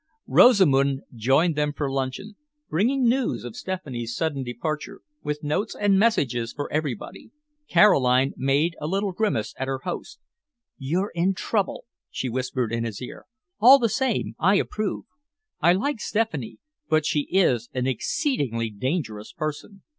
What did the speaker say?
Rosamund joined them for luncheon, bringing news of Stephanie's sudden departure, with notes and messages for everybody. Caroline made a little grimace at her host. "You're in trouble!" she whispered in his ear. "All the same, I approve. I like Stephanie, but she is an exceedingly dangerous person."